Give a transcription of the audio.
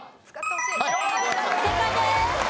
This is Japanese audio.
正解です。